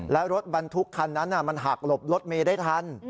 แล้วรถบรรทุกคันนั้นมันหักหลบรถเมย์ได้ทัน